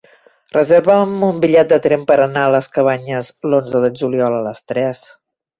Reserva'm un bitllet de tren per anar a les Cabanyes l'onze de juliol a les tres.